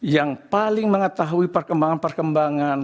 yang paling mengetahui perkembangan perkembangan